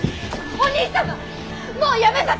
お兄様！？